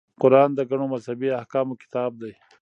قران د ګڼو مذهبي احکامو کتاب دی.